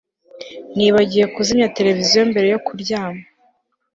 nibagiwe kuzimya televiziyo mbere yo kuryama